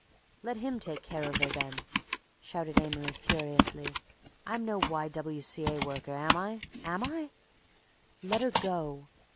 "Let him take care of her, then!" shouted Amory furiously. "I'm no W. Y. C. A. worker, am I?—am I?" "Let her go!"